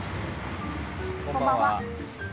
こんばんは。